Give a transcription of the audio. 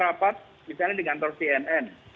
rapat misalnya di kantor cnn